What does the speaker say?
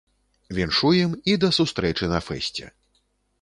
Віншуем, і да сустрэчы на фэсце.